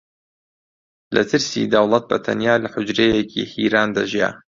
لە ترسی دەوڵەت بە تەنیا لە حوجرەیەکی هیران دەژیا